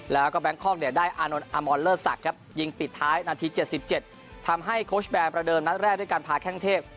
แล้วก็แบงคอกเนี่ยได้อานนท์อมอนเลอร์ศักดิ์ครับยิงปิดท้ายนาที๗๗ทำให้โค้ชแบนประเดิมนัดแรกด้วยการพาแข้งเทพ